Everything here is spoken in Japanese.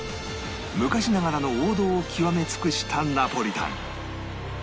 昔ながらの王道を極め尽くしたナポリタン